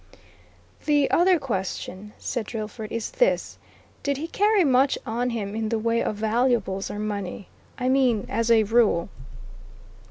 "The other question," said Drillford, "is this: Did he carry much on him in the way of valuables or money? I mean as a rule?"